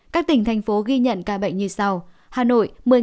các tỉnh thành phố ghi nhận ca bệnh như sau